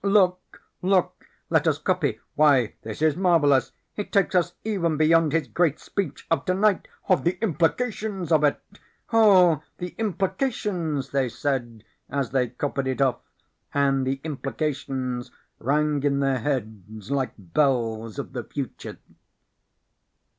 "Look, look! Let us copy! Why, this is marvelous! It takes us even beyond his great speech of tonight. The implications of it!" "Oh, the implications!" they said as they copied it off, and the implications rang in their heads like bells of the future.